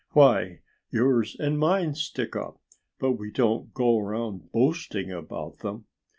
Why, yours and mine stick up. But we don't go around boasting about them.